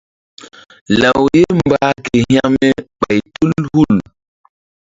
Law ye mbah ke hekme ɓay tu hul.